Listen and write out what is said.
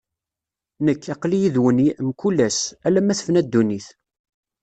Nekk, aql-i yid-wen mkul ass, alamma tefna ddunit.